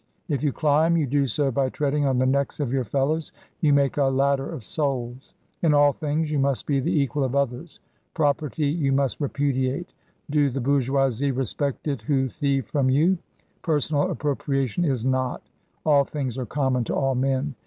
If you climb, you do so by treading on the necks of your fellows — you make a ladder of souls. In all things you must be the equal of others. Property you must repudiate. Do the Bourgeoisie respect it who thieve from you ? Per sonal appropriation is not All things are common to all men.